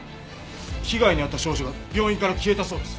被害に遭った少女が病院から消えたそうです。